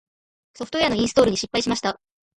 ソフトウェアのインストールに失敗しました。